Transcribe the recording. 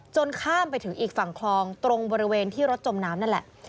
ข้ามไปถึงอีกฝั่งคลองตรงบริเวณที่รถจมน้ำนั่นแหละ